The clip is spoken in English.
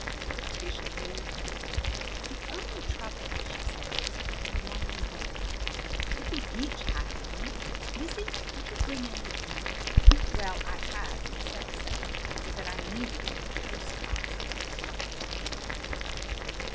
But Tish ignored her. "The only trouble," she said, "is having one revolver. If we each had one Lizzie, did you bring any ink?" Well, I had, and said so, but that I needed it for postcards when we struck a settlement.